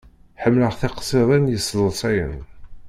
Ḥemmleɣ tiqsiḍin yesḍusayen.